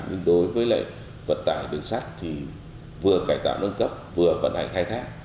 nhưng đối với lại vận tải đường sắt thì vừa cải tạo nâng cấp vừa vận hành khai thác